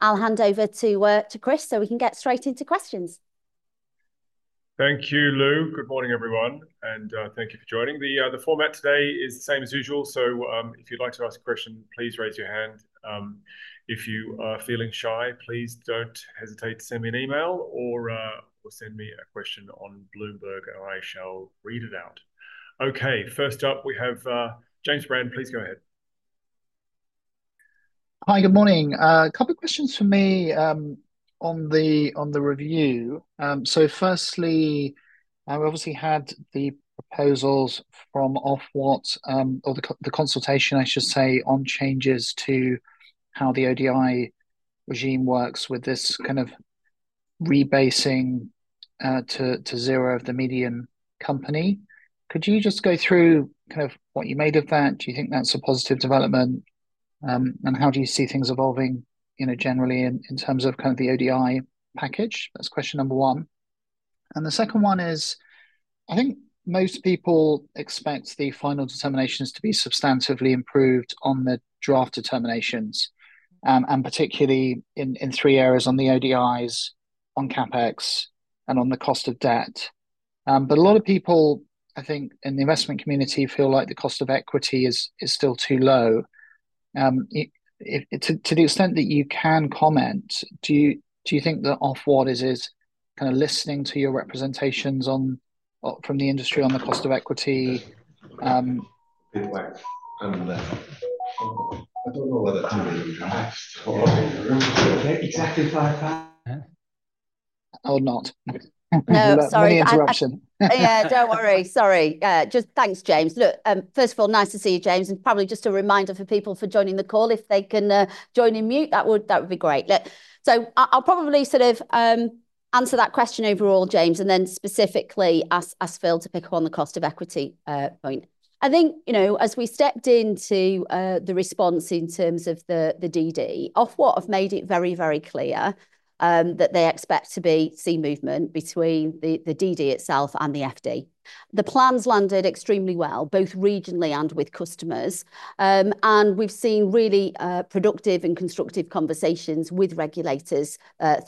I'll hand over to Chris so we can get straight into questions. Thank you, Lou. Good morning, everyone, and thank you for joining. The format today is the same as usual, so if you'd like to ask a question, please raise your hand. If you are feeling shy, please don't hesitate to send me an email or send me a question on Bloomberg, and I shall read it out. Okay, first up, we have James Brand. Please go ahead. Hi, good morning. A couple of questions for me on the review. So firstly, we obviously had the proposals from Ofwat, or the consultation, I should say, on changes to how the ODI regime works with this kind of rebasing to zero of the median company. Could you just go through kind of what you made of that? Do you think that's a positive development? And how do you see things evolving generally in terms of kind of the ODI package? That's question number one. And the second one is, I think most people expect the Final Determinations to be substantively improved on the Draft Determinations, and particularly in three areas: on the ODIs, on CapEx, and on the cost of debt. But a lot of people, I think, in the investment community feel like the cost of equity is still too low. To the extent that you can comment, do you think that Ofwat is kind of listening to your representations from the industry on the cost of equity? I don't know whether to read that. Or not. No, sorry, I just. Interruption. Yeah, don't worry. Sorry. Just thanks, James. Look, first of all, nice to see you, James, and probably just a reminder for people for joining the call, if they can join in mute, that would be great, so I'll probably sort of answer that question overall, James, and then specifically ask Phil to pick up on the cost of equity point. I think as we stepped into the response in terms of the DD, Ofwat have made it very, very clear that they expect to see movement between the DD itself and the FD. The plans landed extremely well, both regionally and with customers, and we've seen really productive and constructive conversations with regulators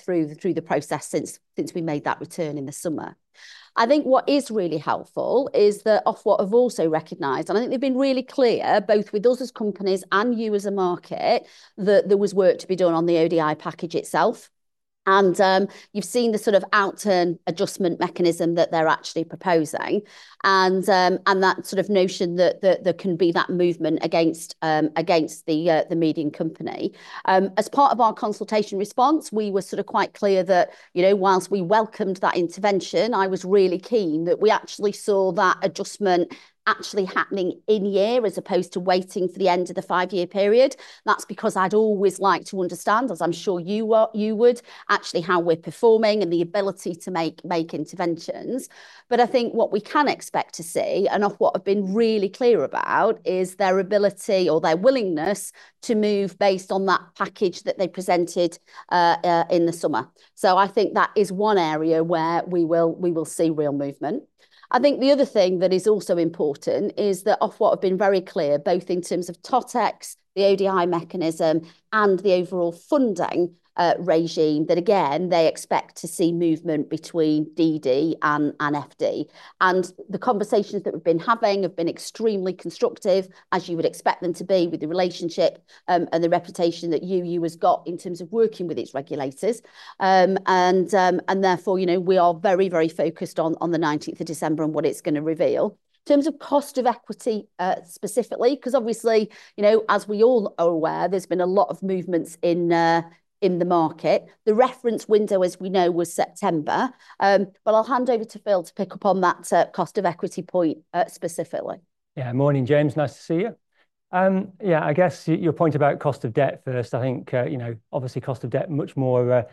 through the process since we made that return in the summer. I think what is really helpful is that Ofwat have also recognized, and I think they've been really clear, both with us as companies and you as a market, that there was work to be done on the ODI package itself. And you've seen the sort of outturn adjustment mechanism that they're actually proposing, and that sort of notion that there can be that movement against the median company. As part of our consultation response, we were sort of quite clear that while we welcomed that intervention, I was really keen that we actually saw that adjustment actually happening in year as opposed to waiting for the end of the five-year period. That's because I'd always liked to understand, as I'm sure you would, actually how we're performing and the ability to make interventions. But I think what we can expect to see, and Ofwat have been really clear about, is their ability or their willingness to move based on that package that they presented in the summer. So I think that is one area where we will see real movement. I think the other thing that is also important is that Ofwat have been very clear, both in terms of Totex, the ODI mechanism, and the overall funding regime, that again, they expect to see movement between DD and FD. And the conversations that we've been having have been extremely constructive, as you would expect them to be, with the relationship and the reputation that UU has got in terms of working with its regulators. And therefore, we are very, very focused on the 19th of December and what it's going to reveal. In terms of cost of equity specifically, because obviously, as we all are aware, there's been a lot of movements in the market, the reference window, as we know, was September. But I'll hand over to Phil to pick up on that cost of equity point specifically. Yeah, morning, James. Nice to see you. Yeah, I guess your point about cost of debt first. I think obviously cost of debt much more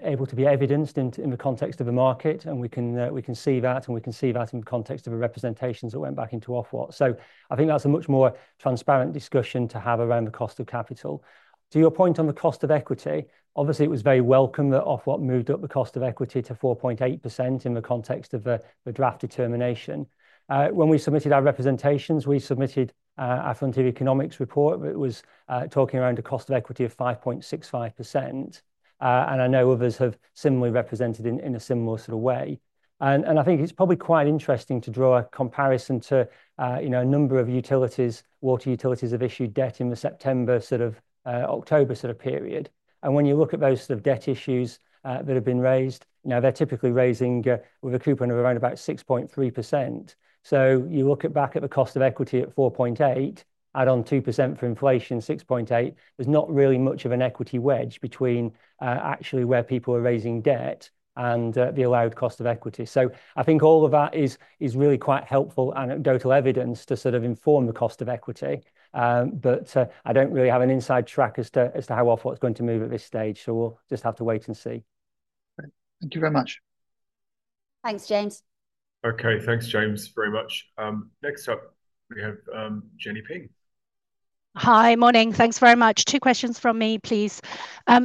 able to be evidenced in the context of the market, and we can see that, and we can see that in the context of the representations that went back into Ofwat. So I think that's a much more transparent discussion to have around the cost of capital. To your point on the cost of equity, obviously it was very welcome that Ofwat moved up the cost of equity to 4.8% in the context of the Draft Determination. When we submitted our representations, we submitted our Frontier Economics report, but it was talking around a cost of equity of 5.65%. And I know others have similarly represented in a similar sort of way. And I think it's probably quite interesting to draw a comparison to a number of utilities, water utilities, have issued debt in the September sort of October sort of period. And when you look at those sort of debt issues that have been raised, now they're typically raising with a coupon of around about 6.3%. So you look back at the cost of equity at 4.8, add on 2% for inflation, 6.8. There's not really much of an equity wedge between actually where people are raising debt and the allowed cost of equity. So I think all of that is really quite helpful anecdotal evidence to sort of inform the cost of equity. But I don't really have an inside track as to how Ofwat's going to move at this stage. So we'll just have to wait and see. Thank you very much. Thanks, James. Okay, thanks, James, very much. Next up, we have Jenny Ping. Hi, morning. Thanks very much. Two questions from me, please.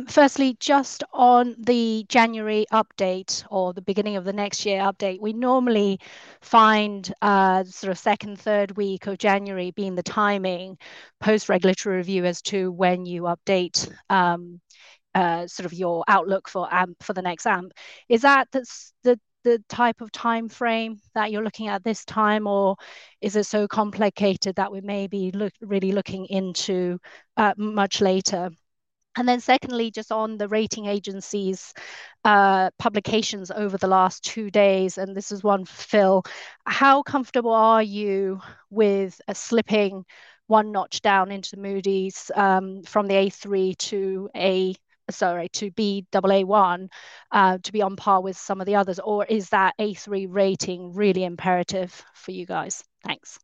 Firstly, just on the January update or the beginning of the next year update, we normally find sort of second, third week of January being the timing post-regulatory review as to when you update sort of your outlook for the next AMP. Is that the type of time frame that you're looking at this time, or is it so complicated that we may be really looking into much later? And then secondly, just on the rating agencies' publications over the last two days, and this is one for Phil, how comfortable are you with slipping one notch down into Moody's from the A3 to Baa1 to be on par with some of the others, or is that A3 rating really imperative for you guys? Thanks.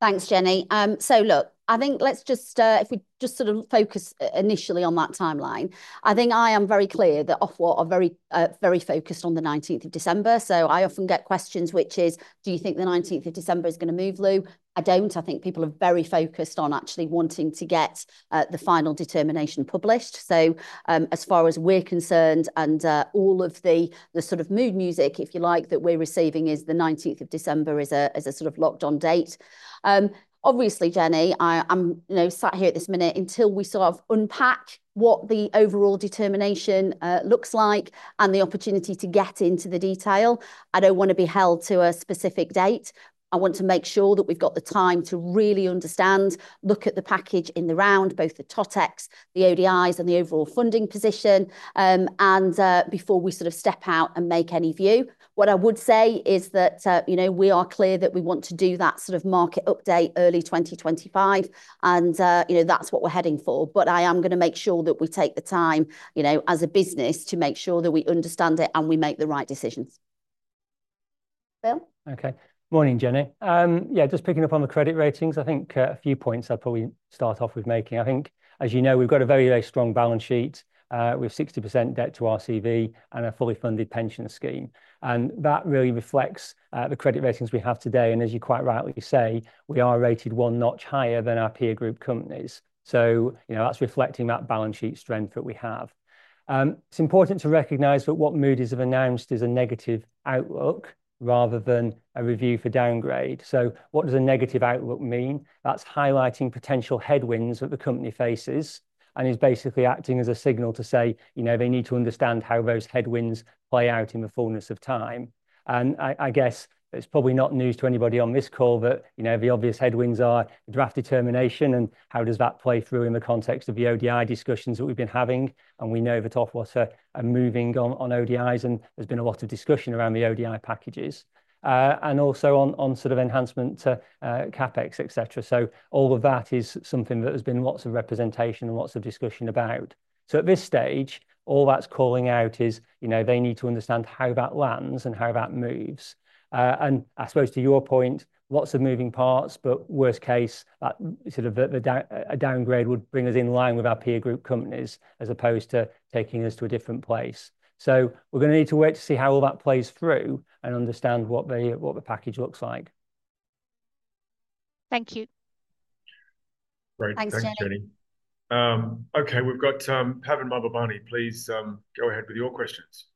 Thanks, Jenny. So look, I think let's just, if we just sort of focus initially on that timeline, I think I am very clear that Ofwat are very focused on the 19th of December. So I often get questions, which is, do you think the 19th of December is going to move, Lou? I don't. I think people are very focused on actually wanting to get the Final Determination published. So as far as we're concerned, and all of the sort of mood music, if you like, that we're receiving is the 19th of December as a sort of locked-on date. Obviously, Jenny, I'm sat here at this minute until we sort of unpack what the overall determination looks like and the opportunity to get into the detail. I don't want to be held to a specific date. I want to make sure that we've got the time to really understand, look at the package in the round, both the Totex, the ODIs, and the overall funding position, and before we sort of step out and make any view. What I would say is that we are clear that we want to do that sort of market update early 2025, and that's what we're heading for. But I am going to make sure that we take the time as a business to make sure that we understand it and we make the right decisions. Phil? Okay, morning, Jenny. Yeah, just picking up on the credit ratings. I think a few points I'd probably start off with making. I think, as you know, we've got a very strong balance sheet. We have 60% debt to RCV and a fully funded pension scheme. And that really reflects the credit ratings we have today. And as you quite rightly say, we are rated one notch higher than our peer group companies. So that's reflecting that balance sheet strength that we have. It's important to recognize that what Moody's have announced is a negative outlook rather than a review for downgrade. So what does a negative outlook mean? That's highlighting potential headwinds that the company faces and is basically acting as a signal to say they need to understand how those headwinds play out in the fullness of time. I guess it's probably not news to anybody on this call, but the obvious headwinds are the Draft Determination and how does that play through in the context of the ODI discussions that we've been having. We know that Ofwat are moving on ODIs, and there's been a lot of discussion around the ODI packages. Also on sort of enhancement to CapEx, et cetera. All of that is something that has been lots of representation and lots of discussion about. At this stage, all that's calling out is they need to understand how that lands and how that moves. I suppose to your point, lots of moving parts, but worst case, sort of a downgrade would bring us in line with our peer group companies as opposed to taking us to a different place. So we're going to need to wait to see how all that plays through and understand what the package looks like. Thank you. Great. Thanks, Jenny. Okay, we've got Pavan Mahbubani. Please go ahead with your questions.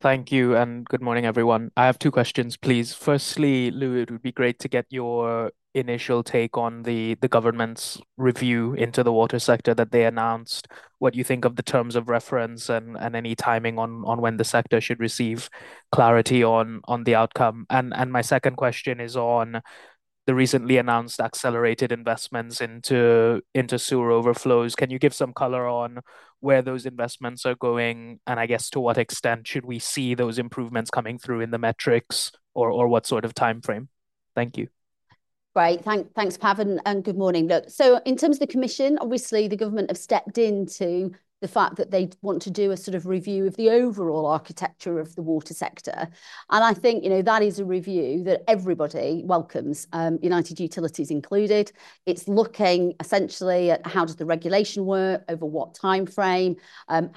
Thank you. And good morning, everyone. I have two questions, please. Firstly, Lou, it would be great to get your initial take on the government's review into the water sector that they announced. What do you think of the terms of reference and any timing on when the sector should receive clarity on the outcome? And my second question is on the recently announced accelerated investments into sewer overflows. Can you give some colour on where those investments are going? And I guess to what extent should we see those improvements coming through in the metrics or what sort of time frame? Thank you. Great. Thanks, Pavan. And good morning. Look, so in terms of the commission, obviously, the government have stepped into the fact that they want to do a sort of review of the overall architecture of the water sector. And I think that is a review that everybody welcomes, United Utilities included. It's looking essentially at how does the regulation work, over what time frame,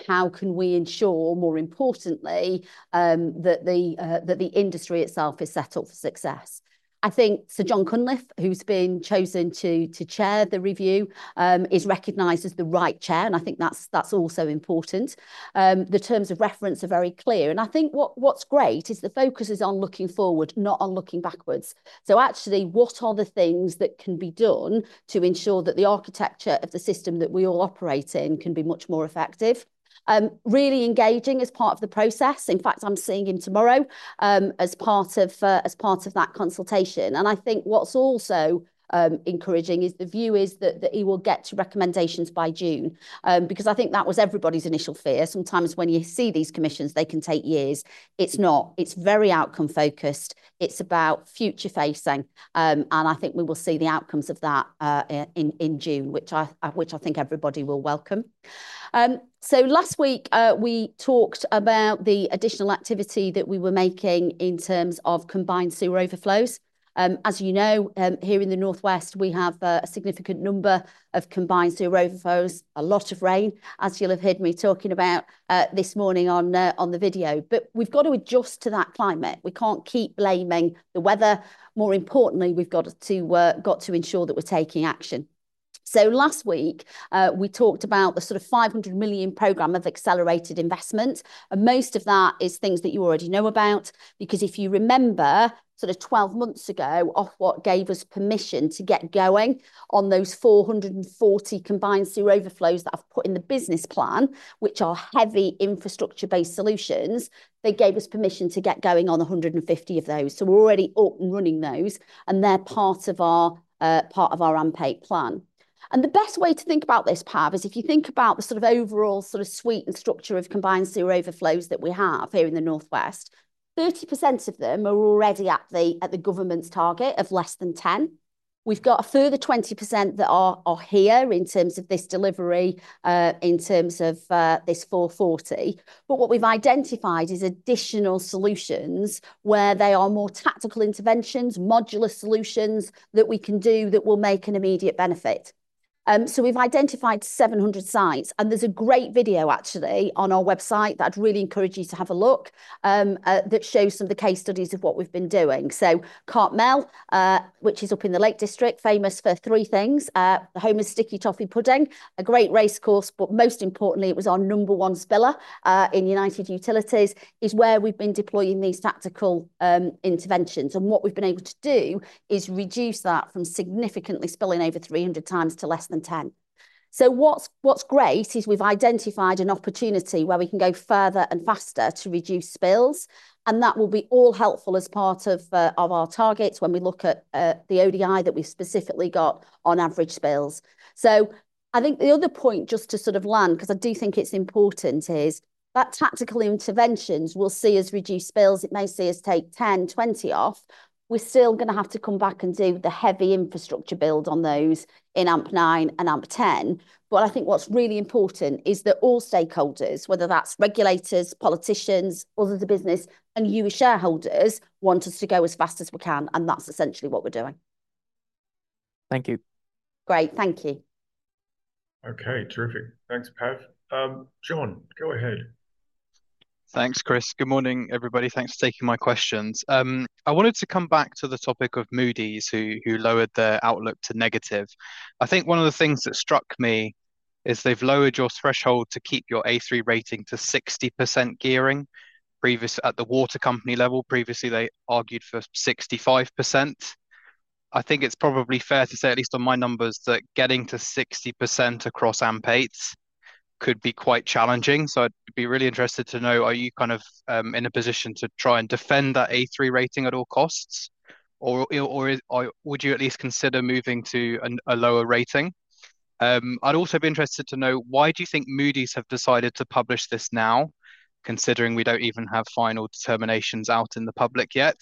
how can we ensure, more importantly, that the industry itself is set up for success. I think Sir Jon Cunliffe, who's been chosen to chair the review, is recognized as the right chair, and I think that's also important. The terms of reference are very clear. And I think what's great is the focus is on looking forward, not on looking backwards. Actually, what are the things that can be done to ensure that the architecture of the system that we all operate in can be much more effective? Really engaging as part of the process. In fact, I'm seeing him tomorrow as part of that consultation. And I think what's also encouraging is the view is that he will get to recommendations by June. Because I think that was everybody's initial fear. Sometimes when you see these commissions, they can take years. It's not. It's very outcome focused. It's about future facing. And I think we will see the outcomes of that in June, which I think everybody will welcome. So last week, we talked about the additional activity that we were making in terms of combined sewer overflows. As you know, here in the North West, we have a significant number of combined sewer overflows, a lot of rain, as you'll have heard me talking about this morning on the video, but we've got to adjust to that climate. We can't keep blaming the weather. More importantly, we've got to ensure that we're taking action, so last week, we talked about the sort of 500 million program of accelerated investment, and most of that is things that you already know about, because if you remember, sort of 12 months ago, Ofwat gave us permission to get going on those 440 combined sewer overflows that I've put in the business plan, which are heavy infrastructure-based solutions. They gave us permission to get going on 150 of those, so we're already up and running those, and they're part of our AMP plan. The best way to think about this, Pav, is if you think about the sort of overall sort of suite and structure of combined sewer overflows that we have here in the North West. 30% of them are already at the government's target of less than 10. We've got a further 20% that are here in terms of this delivery, in terms of this 440. What we've identified is additional solutions where they are more tactical interventions, modular solutions that we can do that will make an immediate benefit. We've identified 700 sites. There's a great video, actually, on our website that I'd really encourage you to have a look that shows some of the case studies of what we've been doing. Cartmel, which is up in the Lake District, is famous for three things. The home of sticky toffee pudding, a great racecourse, but most importantly, it was our number one spiller in United Utilities, is where we've been deploying these tactical interventions, and what we've been able to do is reduce that from significantly spilling over 300 times to less than 10, so what's great is we've identified an opportunity where we can go further and faster to reduce spills, and that will be all helpful as part of our targets when we look at the ODI that we've specifically got on average spills, so I think the other point just to sort of land, because I do think it's important, is that tactical interventions we'll see as reduced spills, it may see us take 10, 20 off. We're still going to have to come back and do the heavy infrastructure build on those in AMP9 and AMP10. But I think what's really important is that all stakeholders, whether that's regulators, politicians, others of the business, and you, shareholders, want us to go as fast as we can. And that's essentially what we're doing. Thank you. Great. Thank you. Okay, terrific. Thanks, Pav. John, go ahead. Thanks, Chris. Good morning, everybody. Thanks for taking my questions. I wanted to come back to the topic of Moody's who lowered their outlook to negative. I think one of the things that struck me is they've lowered your threshold to keep your A3 rating to 60% gearing at the water company level. Previously, they argued for 65%. I think it's probably fair to say, at least on my numbers, that getting to 60% across AMP8 could be quite challenging. So I'd be really interested to know, are you kind of in a position to try and defend that A3 rating at all costs? Or would you at least consider moving to a lower rating? I'd also be interested to know, why do you think Moody's have decided to publish this now, considering we don't even have Final Determinations out in the public yet?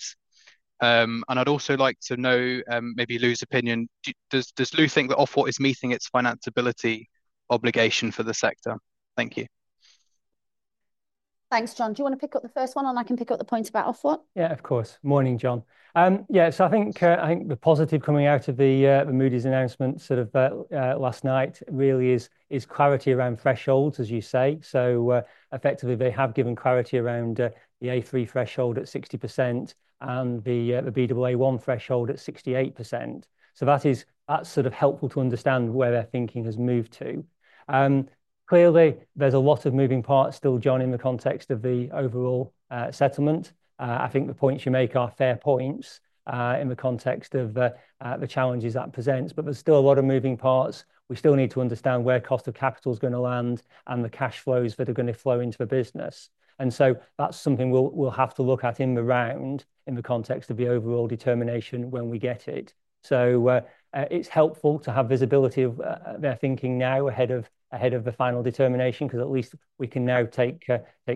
I'd also like to know, maybe Lou's opinion. Does Lou think that Ofwat is meeting its financeability obligation for the sector? Thank you. Thanks, John. Do you want to pick up the first one, and I can pick up the point about Ofwat? Yeah, of course. Morning, John. Yeah, so I think the positive coming out of the Moody's announcement sort of last night really is clarity around thresholds, as you say. So effectively, they have given clarity around the A3 threshold at 60% and the Baa1 threshold at 68%. So that's sort of helpful to understand where their thinking has moved to. Clearly, there's a lot of moving parts still, John, in the context of the overall settlement. I think the points you make are fair points in the context of the challenges that present. But there's still a lot of moving parts. We still need to understand where cost of capital is going to land and the cash flows that are going to flow into the business. And so that's something we'll have to look at in the round in the context of the overall determination when we get it. So it's helpful to have visibility of their thinking now ahead of the Final Determination because at least we can now take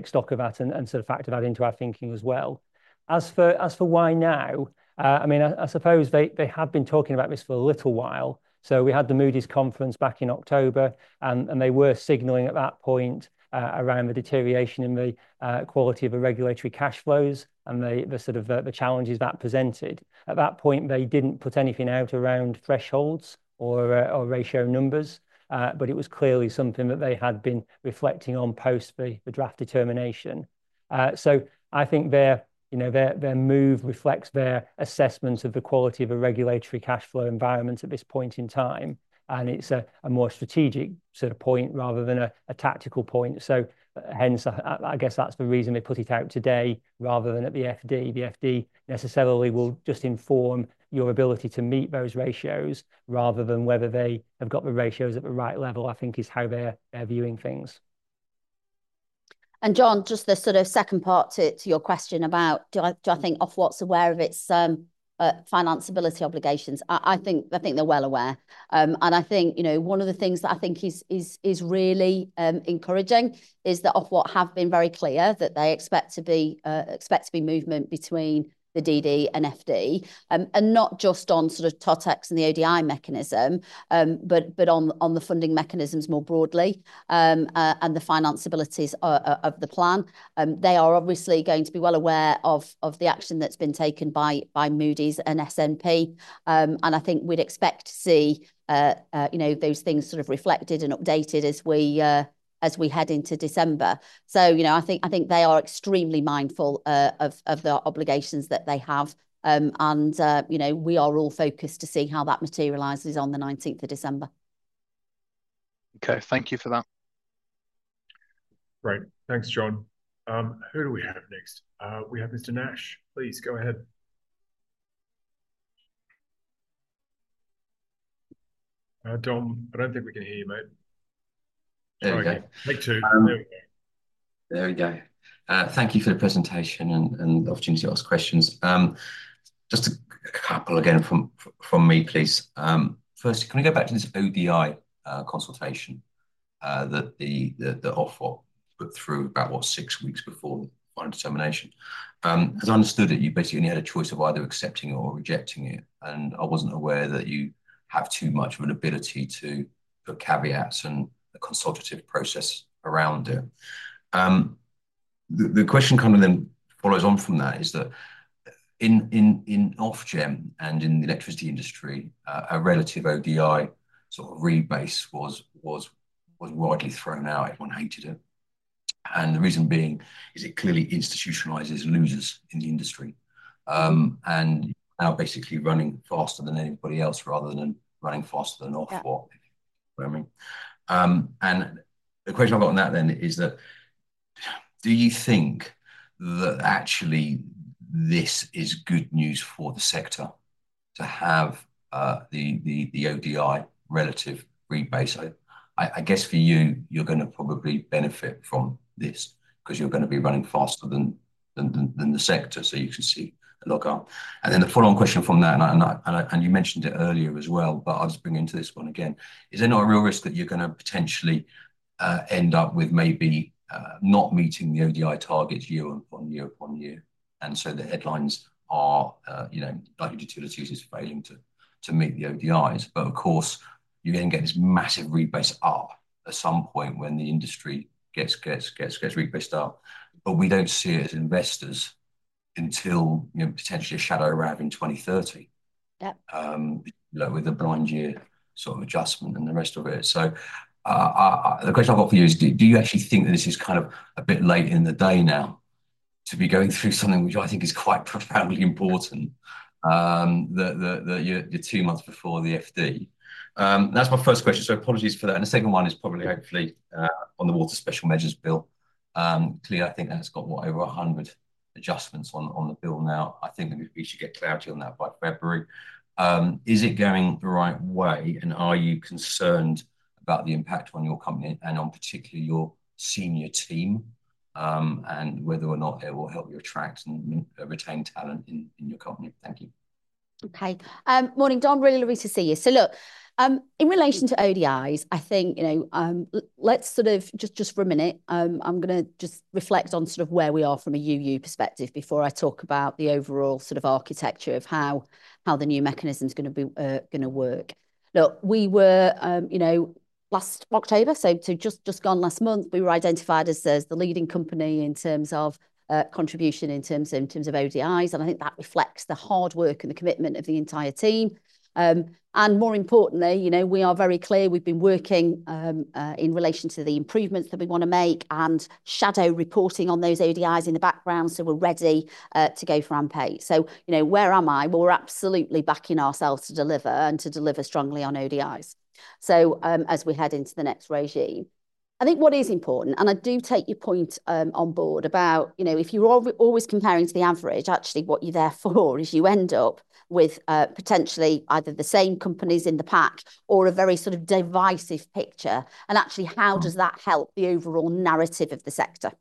stock of that and sort of factor that into our thinking as well. As for why now, I mean, I suppose they have been talking about this for a little while. So we had the Moody's conference back in October, and they were signalling at that point around the deterioration in the quality of the regulatory cash flows and the sort of the challenges that presented. At that point, they didn't put anything out around thresholds or ratio numbers, but it was clearly something that they had been reflecting on post the Draft Determination. So I think their move reflects their assessments of the quality of a regulatory cash flow environment at this point in time. It's a more strategic sort of point rather than a tactical point. Hence, I guess that's the reason they put it out today rather than at the FD. The FD necessarily will just inform your ability to meet those ratios rather than whether they have got the ratios at the right level, I think, is how they're viewing things. John, just the sort of second part to your question about do I think Ofwat's aware of its financeability obligations? I think they're well aware. I think one of the things that I think is really encouraging is that Ofwat have been very clear that they expect to be movement between the DD and FD, and not just on sort of Totex and the ODI mechanism, but on the funding mechanisms more broadly and the financeabilities of the plan. They are obviously going to be well aware of the action that's been taken by Moody's and S&P. I think we'd expect to see those things sort of reflected and updated as we head into December. So I think they are extremely mindful of the obligations that they have. We are all focused to see how that materializes on the 19th of December. Okay, thank you for that. Great. Thanks, John. Who do we have next? We have Mr. Nash. Please go ahead. Dom, I don't think we can hear you, mate. There we go. There we go. There we go. Thank you for the presentation and the opportunity to ask questions. Just a couple again from me, please. First, can we go back to this ODI consultation that Ofwat put through about, what, six weeks before the Final Determination? As I understood it, you basically only had a choice of either accepting or rejecting it, and I wasn't aware that you have too much of an ability to put caveats and a consultative process around it. The question kind of then follows on from that is that in Ofgem and in the electricity industry, a relative ODI sort of rebase was widely thrown out. Everyone hated it, and the reason being is it clearly institutionalizes losers in the industry, and you're now basically running faster than anybody else rather than running faster than Ofwat. And the question I've got on that then is that, do you think that actually this is good news for the sector to have the ODI relative rebase? I guess for you, you're going to probably benefit from this because you're going to be running faster than the sector. So you can see a look up. And then the follow-on question from that, and you mentioned it earlier as well, but I'll just bring into this one again, is there not a real risk that you're going to potentially end up with maybe not meeting the ODI targets year upon year upon year? And so the headlines are United Utilities failing to meet the ODIs. But of course, you're going to get this massive rebase up at some point when the industry gets rebased up. But we don't see it as investors until potentially a shadow around in 2030 with the blind year sort of adjustment and the rest of it. So the question I've got for you is, do you actually think that this is kind of a bit late in the day now to be going through something which I think is quite profoundly important that you're two months before the FD? That's my first question. So apologies for that. And the second one is probably hopefully on the Water (Special Measures) Bill. Clearly, I think that's got what, over 100 adjustments on the bill now. I think we should get clarity on that by February. Is it going the right way? And are you concerned about the impact on your company and on particularly your senior team and whether or not it will help you attract and retain talent in your company? Thank you. Okay. Morning, Dom. Really lovely to see you. So look, in relation to ODIs, I think let's sort of just for a minute, I'm going to just reflect on sort of where we are from a UU perspective before I talk about the overall sort of architecture of how the new mechanism is going to work. Look, we were last October, so just gone last month, we were identified as the leading company in terms of contribution in terms of ODIs. And I think that reflects the hard work and the commitment of the entire team. And more importantly, we are very clear we've been working in relation to the improvements that we want to make and shadow reporting on those ODIs in the background so we're ready to go for AMP8. So where am I? We're absolutely backing ourselves to deliver and to deliver strongly on ODIs as we head into the next regime. I think what is important, and I do take your point on board about if you're always comparing to the average, actually what you're there for is you end up with potentially either the same companies in the pack or a very sort of divisive picture. And actually, how does that help the overall narrative of the sector?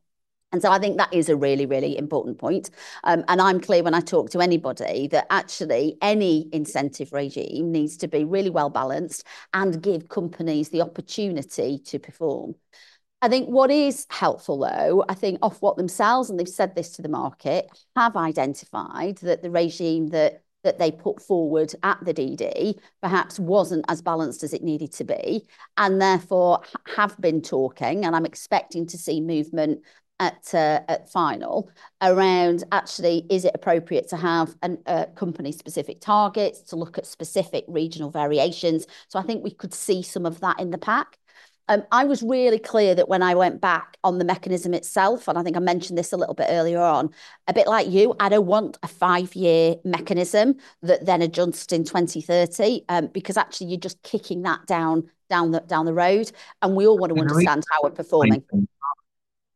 And so I think that is a really, really important point. And I'm clear when I talk to anybody that actually any incentive regime needs to be really well balanced and give companies the opportunity to perform. I think what is helpful, though. I think Ofwat themselves, and they've said this to the market, have identified that the regime that they put forward at the DD perhaps wasn't as balanced as it needed to be. And therefore, have been talking, and I'm expecting to see movement at final around actually, is it appropriate to have company-specific targets to look at specific regional variations? So I think we could see some of that in the pack. I was really clear that when I went back on the mechanism itself, and I think I mentioned this a little bit earlier on, a bit like you, I don't want a five-year mechanism that then adjusts in 2030 because actually you're just kicking that down the road. And we all want to understand how we're performing.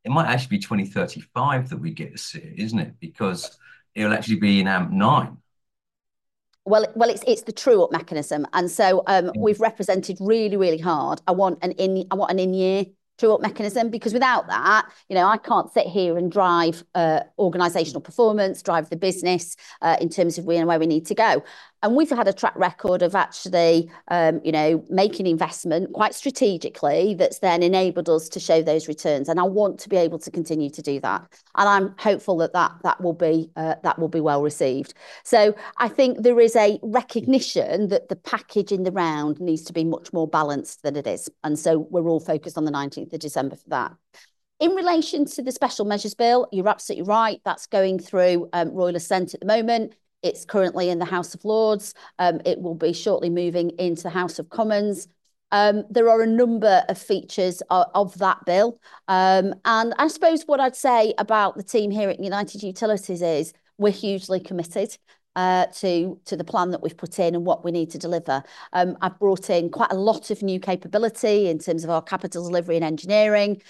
It might actually be 2035 that we get to see, isn't it? Because it'll actually be in AMP9. It's the true-up mechanism. We've represented really, really hard. I want an in-year true-up mechanism because without that, I can't sit here and drive organizational performance, drive the business in terms of where we need to go. We've had a track record of actually making investment quite strategically that's then enabled us to show those returns. I want to be able to continue to do that. I'm hopeful that that will be well received. I think there is a recognition that the package in the round needs to be much more balanced than it is. We're all focused on the 19th of December for that. In relation to the special measures bill, you're absolutely right. That's going through Royal Assent at the moment. It's currently in the House of Lords. It will be shortly moving into the House of Commons. There are a number of features of that bill, and I suppose what I'd say about the team here at United Utilities is we're hugely committed to the plan that we've put in and what we need to deliver. I've brought in quite a lot of new capability in terms of our capital delivery and engineering,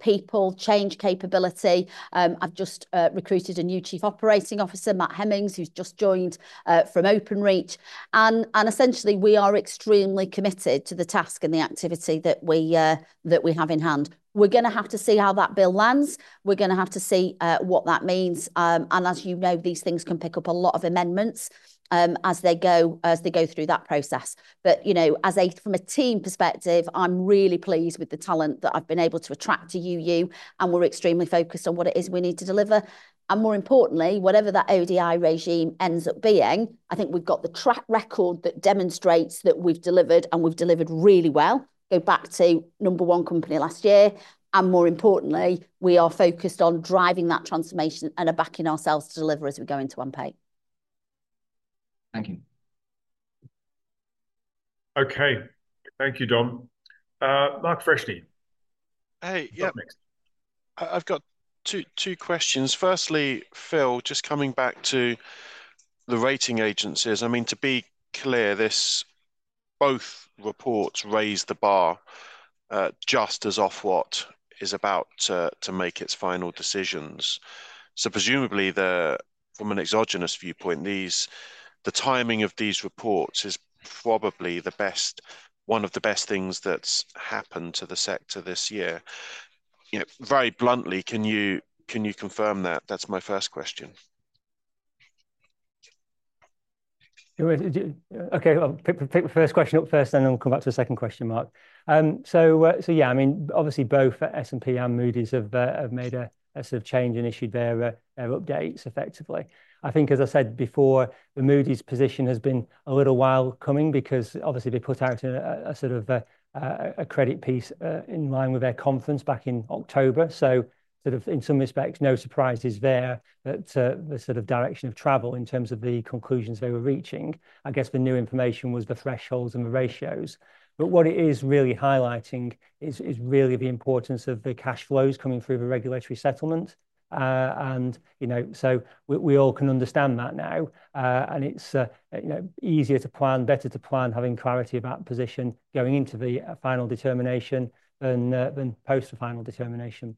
people change capability. I've just recruited a new Chief Operating Officer, Matt Hemmings, who's just joined from Openreach, and essentially, we are extremely committed to the task and the activity that we have in hand. We're going to have to see how that bill lands. We're going to have to see what that means, and as you know, these things can pick up a lot of amendments as they go through that process, but from a team perspective, I'm really pleased with the talent that I've been able to attract to UU. We're extremely focused on what it is we need to deliver. More importantly, whatever that ODI regime ends up being, I think we've got the track record that demonstrates that we've delivered and we've delivered really well. Go back to number one company last year. More importantly, we are focused on driving that transformation and are backing ourselves to deliver as we go into AMP8. Thank you. Okay. Thank you, Dom. Mark Freshney. Hey. Yeah. I've got two questions. Firstly, Phil, just coming back to the rating agencies. I mean, to be clear, both reports raise the bar just as Ofwat is about to make its final decisions. So presumably, from an exogenous viewpoint, the timing of these reports is probably one of the best things that's happened to the sector this year. Very bluntly, can you confirm that? That's my first question. Okay. I'll pick the first question up first, and then I'll come back to the second question, Mark. So yeah, I mean, obviously, both S&P and Moody's have made a sort of change and issued their updates effectively. I think, as I said before, the Moody's position has been a little while coming because obviously, they put out a sort of a credit piece in line with their conference back in October. So sort of in some respects, no surprises there at the sort of direction of travel in terms of the conclusions they were reaching. I guess the new information was the thresholds and the ratios. But what it is really highlighting is really the importance of the cash flows coming through the regulatory settlement. And so we all can understand that now. It's easier to plan, better to plan, having clarity about position going into the Final Determination than post-Final Determination.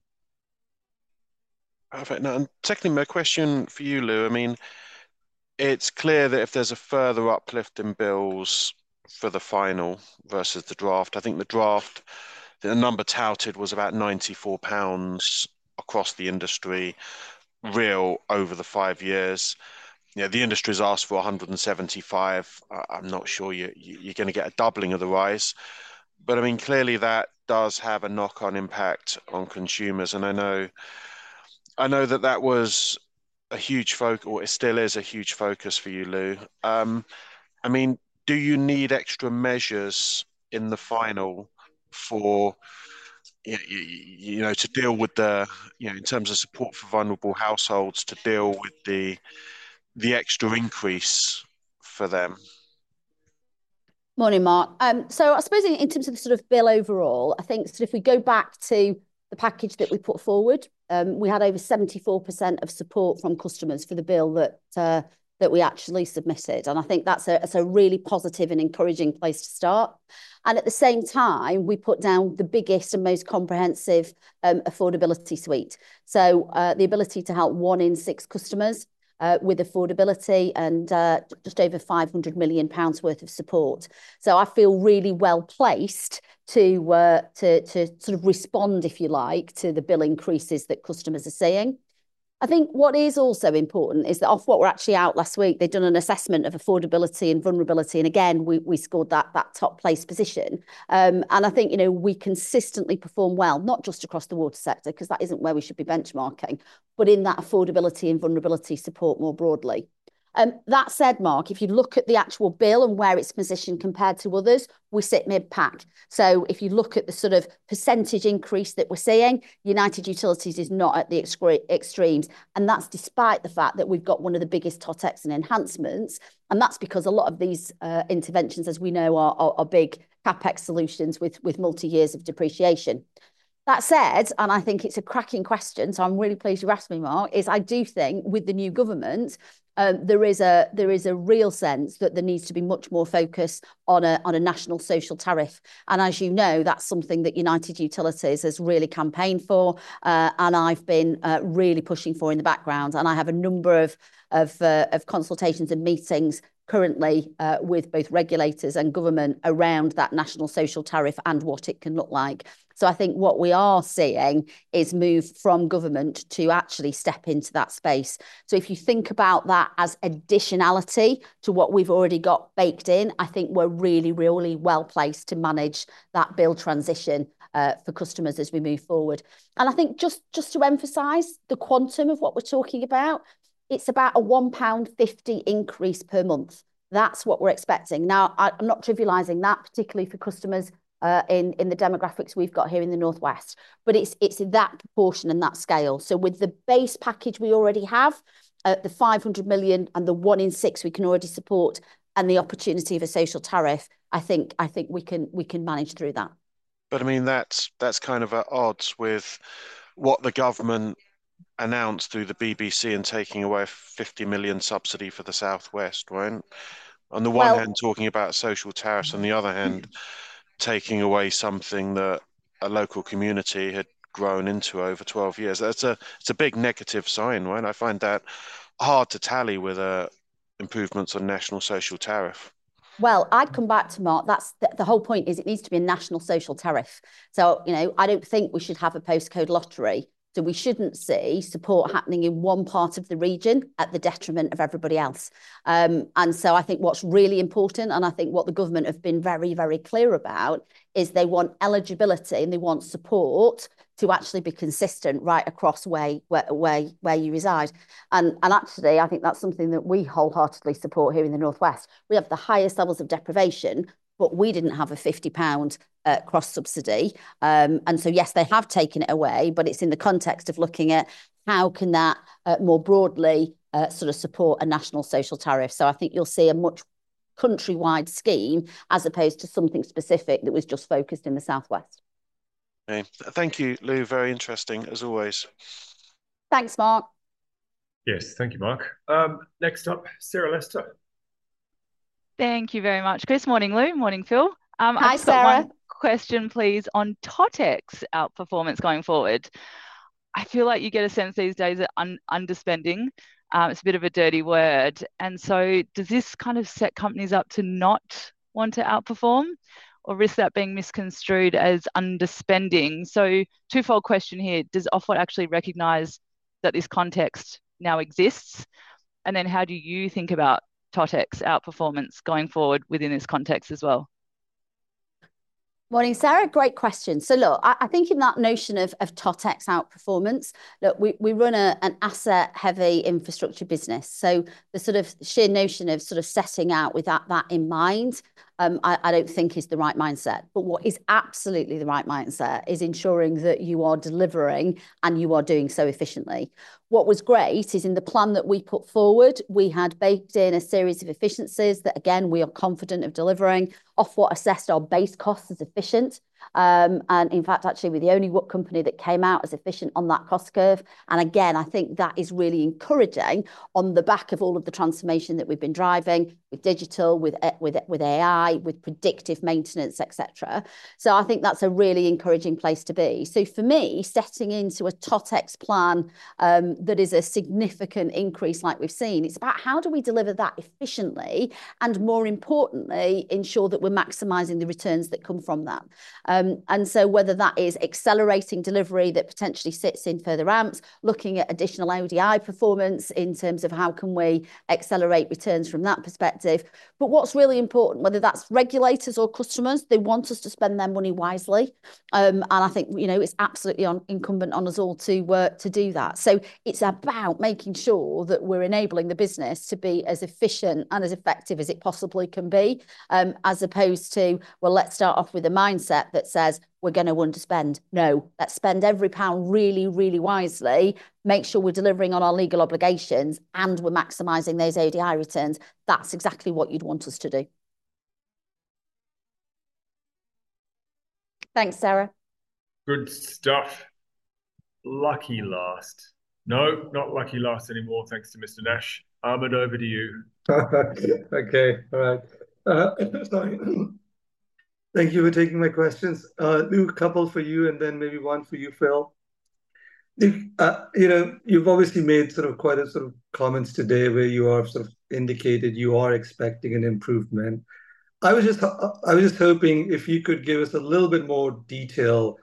Perfect. And technically, my question for you, Lou, I mean, it's clear that if there's a further uplift in bills for the final versus the draft, I think the draft, the number touted was about 94 pounds across the industry real over the five years. The industry has asked for 175. I'm not sure you're going to get a doubling of the rise. But I mean, clearly, that does have a knock-on impact on consumers. And I know that that was a huge focus or it still is a huge focus for you, Lou. I mean, do you need extra measures in the final to deal with the in terms of support for vulnerable households to deal with the extra increase for them? Morning, Mark. I suppose in terms of the sort of plan overall, I think sort of if we go back to the package that we put forward, we had over 74% of support from customers for the plan that we actually submitted, and I think that's a really positive and encouraging place to start, and at the same time, we put down the biggest and most comprehensive affordability suite, so the ability to help one in six customers with affordability and just over 500 million pounds worth of support. I feel really well placed to sort of respond, if you like, to the bill increases that customers are seeing. I think what is also important is that Ofwat were actually out last week. They've done an assessment of affordability and vulnerability, and again, we scored that top-placed position. And I think we consistently perform well, not just across the water sector because that isn't where we should be benchmarking, but in that affordability and vulnerability support more broadly. That said, Mark, if you look at the actual bill and where it's positioned compared to others, we sit mid-pack. So if you look at the sort of percentage increase that we're seeing, United Utilities is not at the extremes. And that's despite the fact that we've got one of the biggest Totex and enhancements. And that's because a lot of these interventions, as we know, are big CapEx solutions with multi-years of depreciation. That said, and I think it's a cracking question, so I'm really pleased you've asked me, Mark, is I do think with the new government, there is a real sense that there needs to be much more focus on a national social tariff. As you know, that's something that United Utilities has really campaigned for. And I've been really pushing for in the background. And I have a number of consultations and meetings currently with both regulators and government around that national social tariff and what it can look like. So I think what we are seeing is a move from government to actually step into that space. So if you think about that as additionality to what we've already got baked in, I think we're really, really well placed to manage that bill transition for customers as we move forward. And I think just to emphasize the quantum of what we're talking about, it's about a 1.50 pound increase per month. That's what we're expecting. Now, I'm not trivializing that, particularly for customers in the demographics we've got here in the North West. But it's that proportion and that scale. So with the base package we already have, the 500 million and the one in six we can already support and the opportunity of a social tariff, I think we can manage through that. But I mean, that's kind of at odds with what the government announced through the BBC and taking away a 50 million subsidy for the South West, right? On the one hand, talking about social tariffs, on the other hand, taking away something that a local community had grown into over 12 years. It's a big negative sign, right? I find that hard to tally with improvements on national social tariff. I'd come back to Mark. The whole point is it needs to be a national social tariff. I don't think we should have a postcode lottery. We shouldn't see support happening in one part of the region at the detriment of everybody else. I think what's really important, and I think what the government have been very, very clear about, is they want eligibility and they want support to actually be consistent right across where you reside. Actually, I think that's something that we wholeheartedly support here in the North West. We have the highest levels of deprivation, but we didn't have a 50 pound cross subsidy. Yes, they have taken it away, but it's in the context of looking at how can that more broadly sort of support a national social tariff. I think you'll see a much countrywide scheme as opposed to something specific that was just focused in the South West. Thank you, Lou. Very interesting, as always. Thanks, Mark. Yes, thank you, Mark. Next up, Sarah Lester. Thank you very much. Good morning, Lou. Morning, Phil. Hi, Sarah. Question, please, on Totex outperformance going forward. I feel like you get a sense these days of underspending. It's a bit of a dirty word. And so does this kind of set companies up to not want to outperform or risk that being misconstrued as underspending? So twofold question here. Does Ofwat actually recognize that this context now exists? And then how do you think about Totex outperformance going forward within this context as well? Morning, Sarah. Great question. So look, I think in that notion of Totex outperformance, look, we run an asset-heavy infrastructure business. So the sort of sheer notion of sort of setting out with that in mind, I don't think is the right mindset. But what is absolutely the right mindset is ensuring that you are delivering and you are doing so efficiently. What was great is in the plan that we put forward, we had baked in a series of efficiencies that, again, we are confident of delivering. Ofwat assessed our base cost as efficient. And in fact, actually, we're the only company that came out as efficient on that cost curve. And again, I think that is really encouraging on the back of all of the transformation that we've been driving with digital, with AI, with predictive maintenance, et cetera. So I think that's a really encouraging place to be. So for me, setting into a Totex plan that is a significant increase like we've seen, it's about how do we deliver that efficiently and, more importantly, ensure that we're maximizing the returns that come from that. And so whether that is accelerating delivery that potentially sits in further ramps, looking at additional ODI performance in terms of how can we accelerate returns from that perspective. But what's really important, whether that's regulators or customers, they want us to spend their money wisely. And I think it's absolutely incumbent on us all to do that. So it's about making sure that we're enabling the business to be as efficient and as effective as it possibly can be, as opposed to, well, let's start off with a mindset that says, we're going to underspend. No, let's spend every pound really, really wisely. Make sure we're delivering on our legal obligations and we're maximizing those ODI returns. That's exactly what you'd want us to do. Thanks, Sarah. Good stuff. Lucky last. No, not lucky last anymore. Thanks to Mr. Nash. I'm going over to you. Okay. All right. Thank you for taking my questions. Lou, a couple for you and then maybe one for you, Phil. You've obviously made sort of quite a sort of comments today where you have sort of indicated you are expecting an improvement. I was just hoping if you could give us a little bit more detail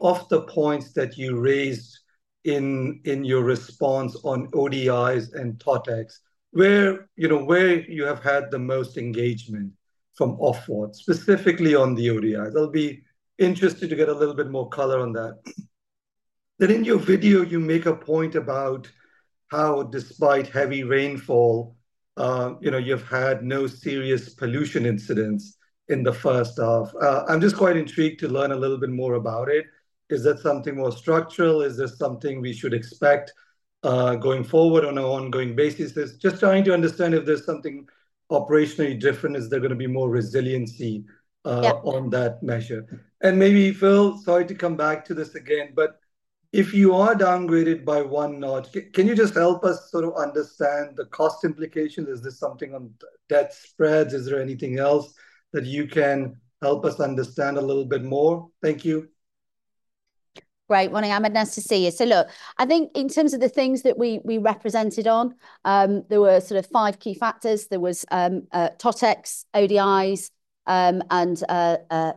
off the points that you raised in your response on ODIs and Totex, where you have had the most engagement from Ofwat, specifically on the ODIs. I'll be interested to get a little bit more color on that. Then in your video, you make a point about how, despite heavy rainfall, you've had no serious pollution incidents in the first half. I'm just quite intrigued to learn a little bit more about it. Is that something more structural? Is there something we should expect going forward on an ongoing basis? Just trying to understand if there's something operationally different, is there going to be more resiliency on that measure? And maybe, Phil, sorry to come back to this again, but if you are downgraded by one notch, can you just help us sort of understand the cost implications? Is there something on debt spreads? Is there anything else that you can help us understand a little bit more? Thank you. Great. Morning. It's nice to see you. So look, I think in terms of the things that we represented on, there were sort of five key factors. There was Totex, ODIs, and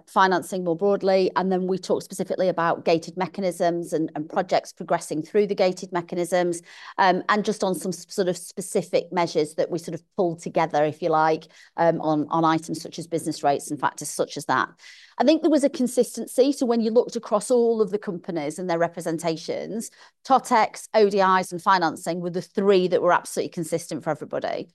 financing more broadly. And then we talked specifically about gated mechanisms and projects progressing through the gated mechanisms and just on some sort of specific measures that we sort of pulled together, if you like, on items such as business rates and factors such as that. I think there was a consistency. So when you looked across all of the companies and their representations, Totex, ODIs, and financing were the three that were absolutely consistent for everybody.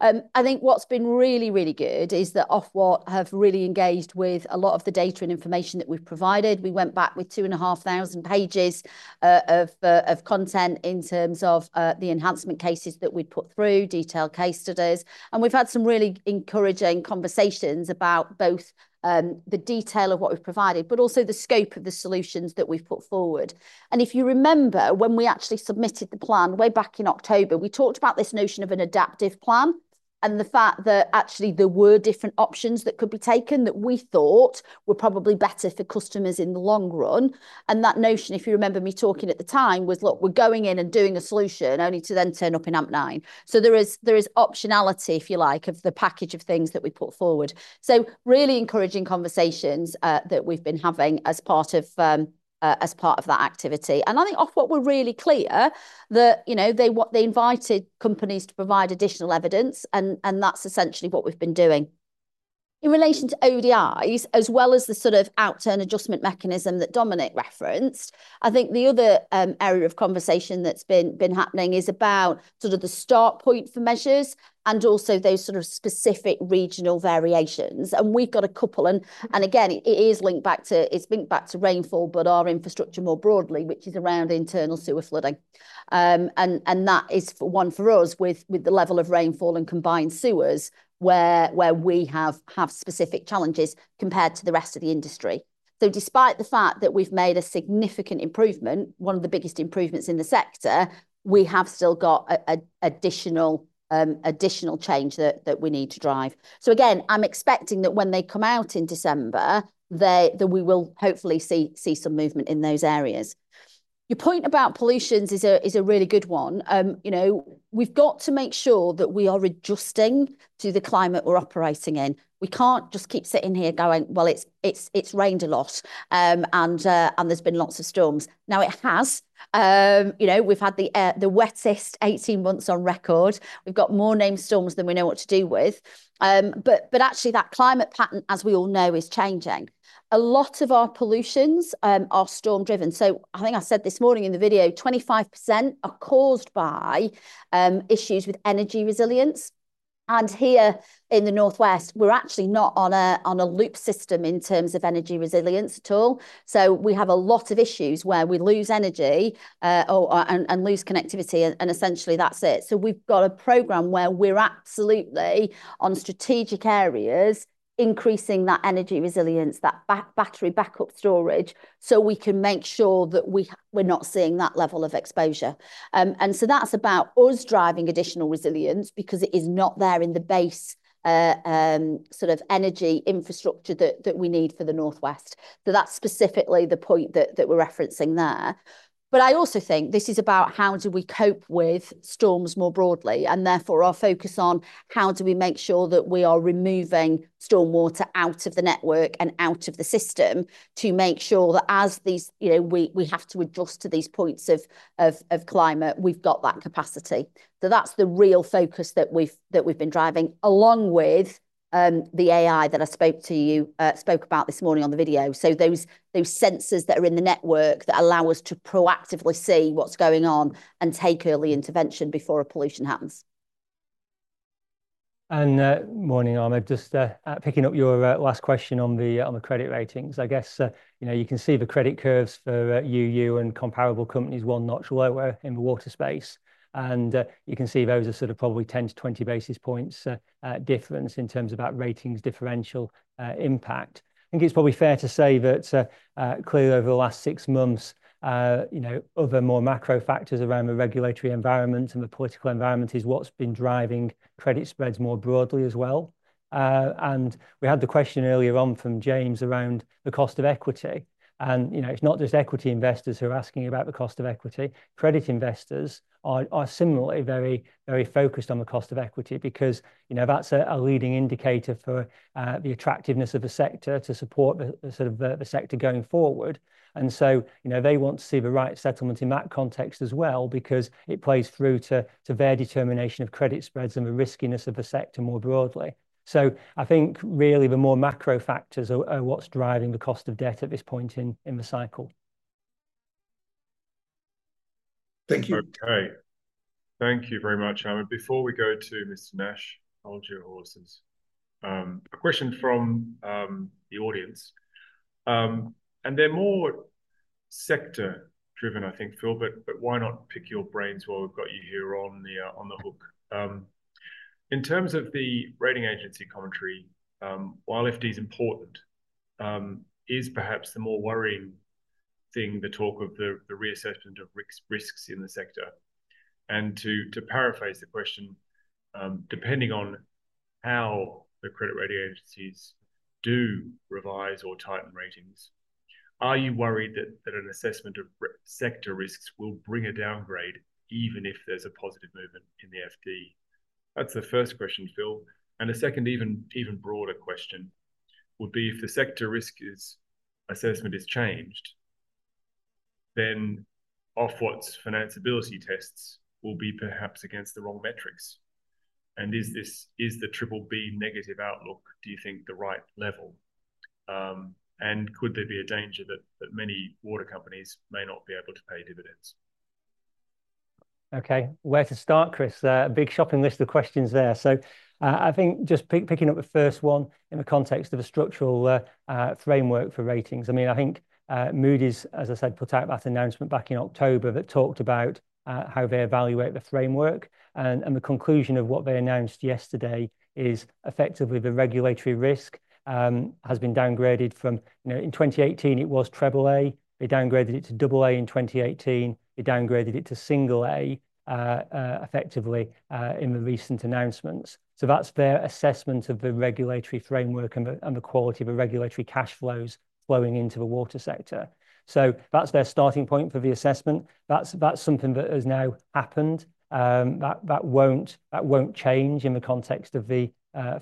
I think what's been really, really good is that Ofwat have really engaged with a lot of the data and information that we've provided. We went back with 2,500 pages of content in terms of the enhancement cases that we'd put through, detailed case studies. And we've had some really encouraging conversations about both the detail of what we've provided, but also the scope of the solutions that we've put forward. And if you remember, when we actually submitted the plan way back in October, we talked about this notion of an adaptive plan and the fact that actually there were different options that could be taken that we thought were probably better for customers in the long run. And that notion, if you remember me talking at the time, was, look, we're going in and doing a solution only to then turn up in AMP9. So there is optionality, if you like, of the package of things that we put forward. Really encouraging conversations that we've been having as part of that activity. And I think Ofwat were really clear that they invited companies to provide additional evidence, and that's essentially what we've been doing. In relation to ODIs, as well as the sort of outturn adjustment mechanism that Dominic referenced, I think the other area of conversation that's been happening is about sort of the start point for measures and also those sort of specific regional variations. And we've got a couple. And again, it is linked back to rainfall, but our infrastructure more broadly, which is around internal sewer flooding. And that is one for us with the level of rainfall and combined sewers where we have specific challenges compared to the rest of the industry. So despite the fact that we've made a significant improvement, one of the biggest improvements in the sector, we have still got additional change that we need to drive. So again, I'm expecting that when they come out in December, that we will hopefully see some movement in those areas. Your point about pollutions is a really good one. We've got to make sure that we are adjusting to the climate we're operating in. We can't just keep sitting here going, well, it's rained a lot and there's been lots of storms. Now it has. We've had the wettest 18 months on record. We've got more named storms than we know what to do with. But actually, that climate pattern, as we all know, is changing. A lot of our pollutions are storm-driven. I think I said this morning in the video, 25% are caused by issues with energy resilience. And here in the North West, we're actually not on a loop system in terms of energy resilience at all. So we have a lot of issues where we lose energy and lose connectivity, and essentially that's it. So we've got a program where we're absolutely on strategic areas, increasing that energy resilience, that battery backup storage, so we can make sure that we're not seeing that level of exposure. And so that's about us driving additional resilience because it is not there in the base sort of energy infrastructure that we need for the North West. So that's specifically the point that we're referencing there. But I also think this is about how do we cope with storms more broadly and therefore our focus on how do we make sure that we are removing stormwater out of the network and out of the system to make sure that as we have to adjust to these impacts of climate, we've got that capacity. So that's the real focus that we've been driving along with the AI that I spoke to you about this morning on the video. So those sensors that are in the network that allow us to proactively see what's going on and take early intervention before a pollution happens. Morning, Ahmed. Just picking up your last question on the credit ratings, I guess. You can see the credit curves for you and comparable companies, one notch lower in the water space. You can see those are sort of probably 10-20 basis points difference in terms of that ratings differential impact. I think it's probably fair to say that clearly over the last six months, other more macro factors around the regulatory environment and the political environment is what's been driving credit spreads more broadly as well. We had the question earlier on from James around the cost of equity. It's not just equity investors who are asking about the cost of equity. Credit investors are similarly very focused on the cost of equity because that's a leading indicator for the attractiveness of the sector to support the sector going forward. And so they want to see the right settlement in that context as well because it plays through to their determination of credit spreads and the riskiness of the sector more broadly. So I think really the more macro factors are what's driving the cost of debt at this point in the cycle. Thank you. Okay. Thank you very much, Ahmed Farman. Before we go to Mr. Nash, hold your horses. A question from the audience. And they're more sector-driven, I think, Phil, but why not pick your brains while we've got you here on the hook? In terms of the rating agency commentary, while FD is important, is perhaps the more worrying thing the talk of the reassessment of risks in the sector? And to paraphrase the question, depending on how the credit rating agencies do revise or tighten ratings, are you worried that an assessment of sector risks will bring a downgrade even if there's a positive movement in the FD? That's the first question, Phil. And a second, even broader question would be if the sector risk assessment is changed, then Ofwat's financeability tests will be perhaps against the wrong metrics. And is the Triple B negative outlook, do you think, the right level? And could there be a danger that many water companies may not be able to pay dividends? Okay. Where to start, Chris? A big shopping list of questions there. So I think just picking up the first one in the context of a structural framework for ratings. I mean, I think Moody's, as I said, put out that announcement back in October that talked about how they evaluate the framework, and the conclusion of what they announced yesterday is effectively the regulatory risk has been downgraded from, in 2018, it was Triple A. They downgraded it to Double A in 2018. They downgraded it to Single A effectively in the recent announcements, so that's their assessment of the regulatory framework and the quality of the regulatory cash flows flowing into the water sector, so that's their starting point for the assessment. That's something that has now happened. That won't change in the context of the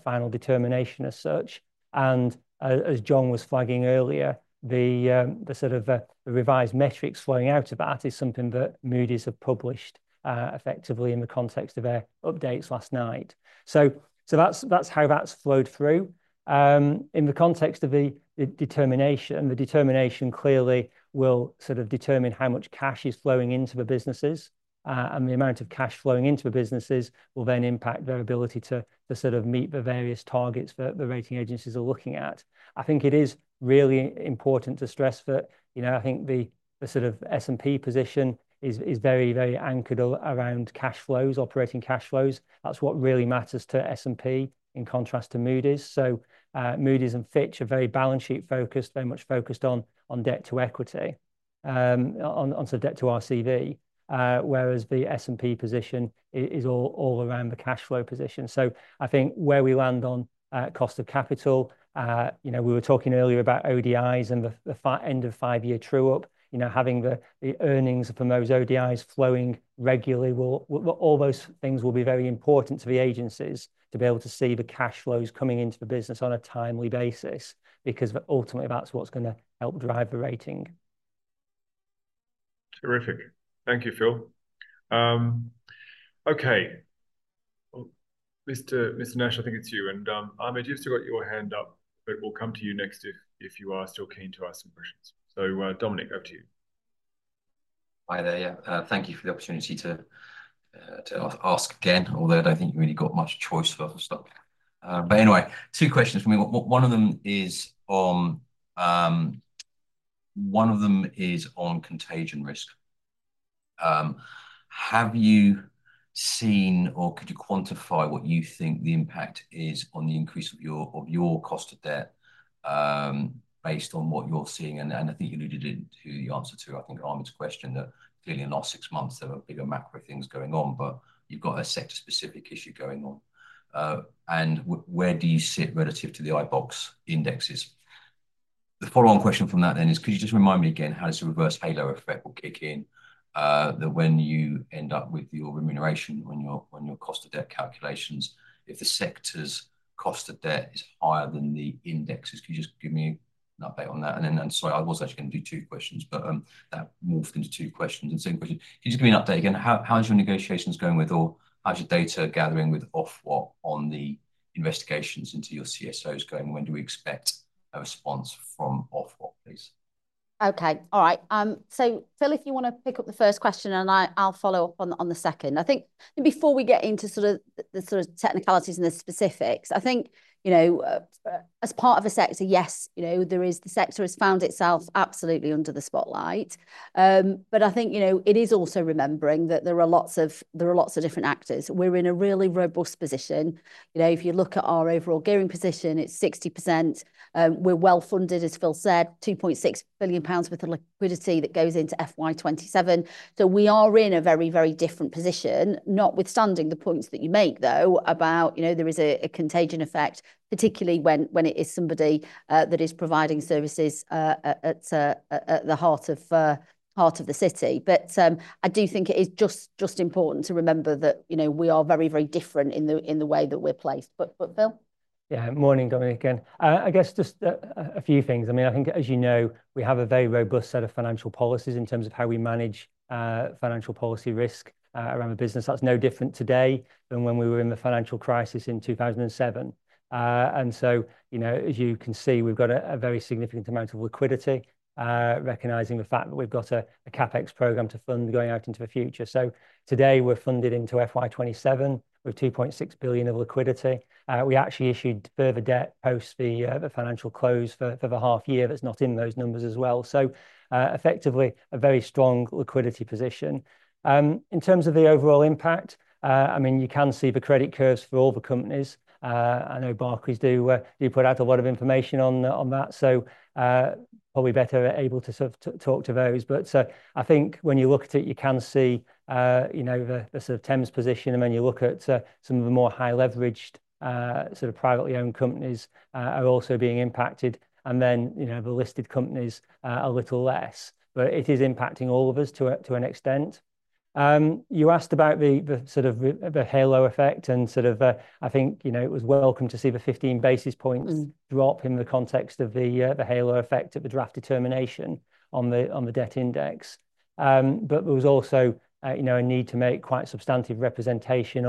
Final Determination as such, and as John was flagging earlier, the sort of revised metrics flowing out of that is something that Moody's have published effectively in the context of their updates last night, so that's how that's flowed through. In the context of the determination, the determination clearly will sort of determine how much cash is flowing into the businesses, and the amount of cash flowing into the businesses will then impact their ability to sort of meet the various targets that the rating agencies are looking at. I think it is really important to stress that I think the sort of S&P position is very, very anchored around cash flows, operating cash flows. That's what really matters to S&P in contrast to Moody's, so Moody's and Fitch are very balance sheet focused, very much focused on debt to equity, onto debt to RCV, whereas the S&P position is all around the cash flow position. So I think where we land on cost of capital, we were talking earlier about ODIs and the end of five-year true up, having the earnings from those ODIs flowing regularly, all those things will be very important to the agencies to be able to see the cash flows coming into the business on a timely basis because ultimately that's what's going to help drive the rating. Terrific. Thank you, Phil. Okay. Mr. Nash, I think it's you. And Ahmed, you've still got your hand up, but we'll come to you next if you are still keen to ask some questions. So Dominic, over to you. Hi there. Yeah. Thank you for the opportunity to ask again, although I don't think you really got much choice for other stuff. But anyway, two questions for me. One of them is on contagion risk. Have you seen or could you quantify what you think the impact is on the increase of your cost of debt based on what you're seeing? And I think you alluded to the answer to, I think, Ahmed's question that clearly in the last six months, there were bigger macro things going on, but you've got a sector-specific issue going on. And where do you sit relative to the iBoxx indexes? The follow-on question from that then is, could you just remind me again how this reverse halo effect will kick in that when you end up with your remuneration, when your cost of debt calculations, if the sector's cost of debt is higher than the indexes? Could you just give me an update on that? And then, sorry, I was actually going to do two questions, but that morphed into two questions and same question. Could you just give me an update again? How's your negotiations going with, or how's your data gathering with Ofwat on the investigations into your CSOs going? When do we expect a response from Ofwat, please? Okay. All right. So Phil, if you want to pick up the first question, and I'll follow up on the second. I think before we get into sort of the technicalities and the specifics, I think as part of a sector, yes, there is the sector has found itself absolutely under the spotlight. But I think it is also remembering that there are lots of different actors. We're in a really robust position. If you look at our overall gearing position, it's 60%. We're well funded, as Phil said, 2.6 billion pounds worth of liquidity that goes into FY 2027. We are in a very, very different position, notwithstanding the points that you make, though, about there is a contagion effect, particularly when it is somebody that is providing services at the heart of the city. But I do think it is just important to remember that we are very, very different in the way that we're placed. But, Phil? Yeah. Morning, Dominic again. I guess just a few things. I mean, I think, as you know, we have a very robust set of financial policies in terms of how we manage financial policy risk around the business. That's no different today than when we were in the financial crisis in 2007. And so, as you can see, we've got a very significant amount of liquidity, recognizing the fact that we've got a CapEx programme to fund going out into the future. So today, we're funded into FY 2027 with 2.6 billion of liquidity. We actually issued further debt post the financial close for the half year. That's not in those numbers as well. So effectively, a very strong liquidity position. In terms of the overall impact, I mean, you can see the credit curves for all the companies. I know Barclays do put out a lot of information on that. So probably better able to sort of talk to those. But I think when you look at it, you can see the sort of Thames position. And when you look at some of the more high leveraged sort of privately owned companies are also being impacted. And then the listed companies a little less. But it is impacting all of us to an extent. You asked about the sort of the halo effect. I think it was welcome to see the 15 basis points drop in the context of the halo effect at the Draft Determination on the debt index. There was also a need to make quite substantive representation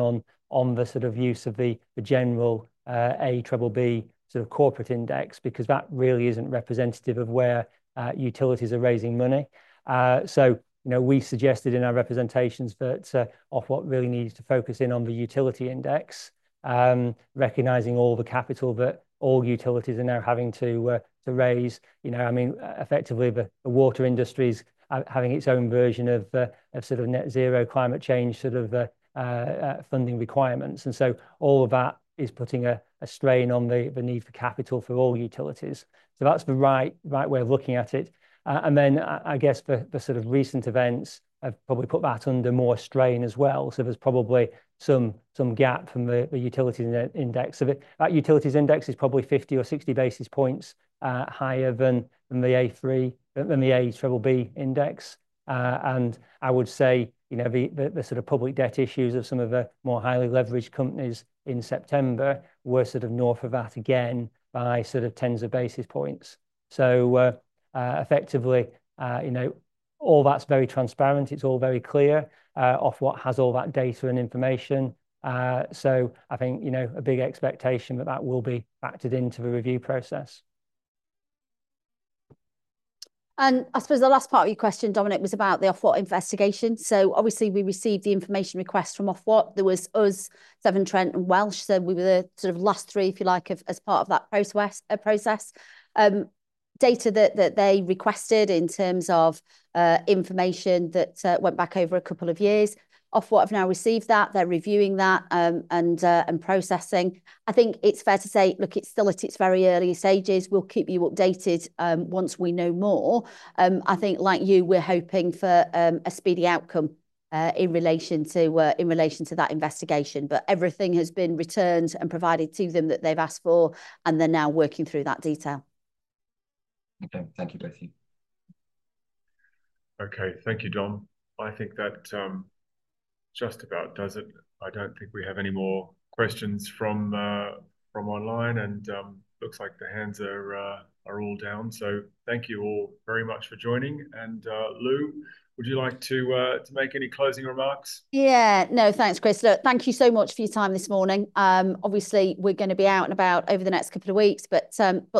on the sort of use of the general iBoxx sort of corporate index because that really isn't representative of where utilities are raising money. We suggested in our representations that Ofwat really needs to focus in on the utility index, recognizing all the capital that all utilities are now having to raise. I mean, effectively, the water industry is having its own version of sort of net zero climate change sort of funding requirements. All of that is putting a strain on the need for capital for all utilities. That's the right way of looking at it. And then I guess the sort of recent events have probably put that under more strain as well. So there's probably some gap from the utilities index. That utilities index is probably 50 or 60 basis points higher than the iBoxx index. And I would say the sort of public debt issues of some of the more highly leveraged companies in September were sort of north of that again by sort of tens of basis points. So effectively, all that's very transparent. It's all very clear. Ofwat has all that data and information. So I think a big expectation that that will be factored into the review process. And I suppose the last part of your question, Dominic, was about the Ofwat investigation. So obviously, we received the information request from Ofwat. There was us, Severn Trent, and Welsh Water. So we were the sort of last three, if you like, as part of that process. Data that they requested in terms of information that went back over a couple of years. Ofwat have now received that. They're reviewing that and processing. I think it's fair to say, look, it's still at its very early stages. We'll keep you updated once we know more. I think, like you, we're hoping for a speedy outcome in relation to that investigation. But everything has been returned and provided to them that they've asked for, and they're now working through that detail. Okay. Thank you, Betsy. Okay. Thank you, John. I think that just about does it. I don't think we have any more questions from online, and looks like the hands are all down. So thank you all very much for joining. And Lou, would you like to make any closing remarks? Yeah. No, thanks, Chris. Look, thank you so much for your time this morning. Obviously, we're going to be out and about over the next couple of weeks. But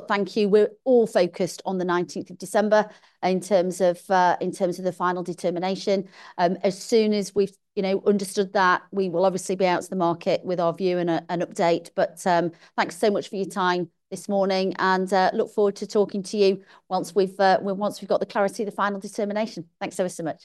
thank you. We're all focused on the 19th of December in terms of the Final Determination. As soon as we've understood that, we will obviously be out to the market with our view and an update. But thanks so much for your time this morning. And look forward to talking to you once we've got the clarity of the Final Determination. Thanks so much as well.